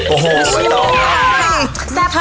โอ้โหไม่ต้องค่ะ